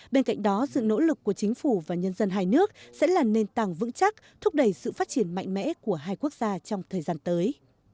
bên cạnh đó sự nỗ lực của chính phủ và nhân dân hai nước sẽ là nền tảng vững chắc thúc đẩy sự phát triển mạnh mẽ của hai quốc gia trong thời gian tới